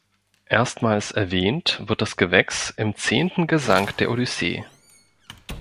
Erstmals erwähnt wird das Gewächs im zehnten Gesang der Odyssee.